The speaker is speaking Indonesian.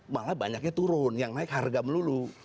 malah banyaknya turun yang naik harga melulu